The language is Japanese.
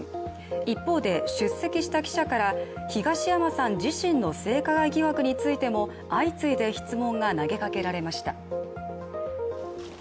一方で、出席した記者から東山さん自身の性加害疑惑についても相次いで質問が投げかけられました。